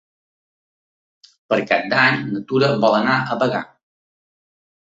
Per Cap d'Any na Tura vol anar a Bagà.